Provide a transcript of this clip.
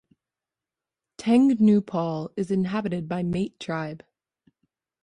Tengnoupal is inhabited by Mate tribe.